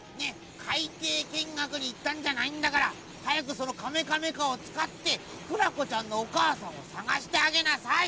かいていけんがくにいったんじゃないんだからはやくそのカメカメカをつかってクラコちゃんのおかあさんをさがしてあげなさい！